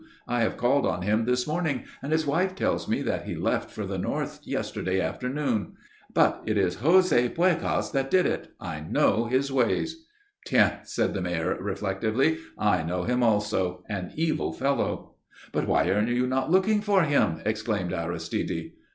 I have called on him this morning and his wife tells me that he left for the North yesterday afternoon. But it is José Puégas that did it. I know his ways." "Tiens!" said the Mayor, reflectively. "I know him also, an evil fellow." "But why are you not looking for him?" exclaimed Aristide.